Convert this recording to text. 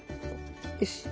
よし。